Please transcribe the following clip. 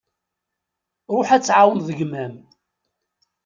Ruḥ ad tεawneḍ gma-m.